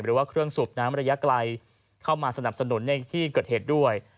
หรือว่าเครื่องสูบน้ำระยะไกลเข้ามาสนับสนุนในที่เกิดเหตุด้วย